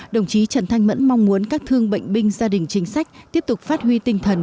đồng chí trần thanh mẫn mong muốn các thương bệnh binh gia đình chính sách tiếp tục phát huy tinh thần